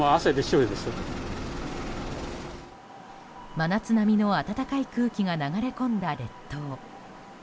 真夏並みの暖かい空気が流れ込んだ列島。